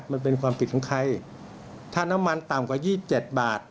มันเป็นความผิดของใครถ้าน้ำมันต่ำกว่า๒๗บาท